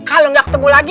kalau gak ketemu lagi